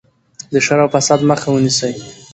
د شر او فساد مخه ونیسئ.